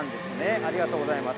ありがとうございます。